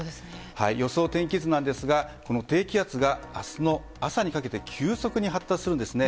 予想天気図ですが低気圧が明日の朝にかけて急速に発達するんですね。